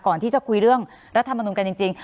ก่อนที่จะคุยเรื่องรัฐมนุนกันจริง